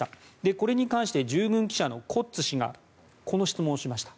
これに関して従軍記者のコッツ氏がこの質問をしました。